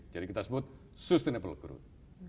jadi kita sebut sustainable growth